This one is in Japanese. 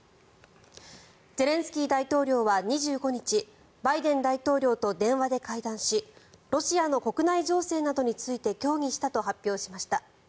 ゼレンスキー大統領は２５日バイデン大統領と電話で会談しロシアの国内情勢などについて協議したと発表しました。